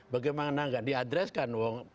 bagaimana gak diadreskan